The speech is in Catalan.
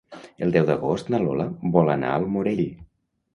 El deu d'agost na Lola vol anar al Morell.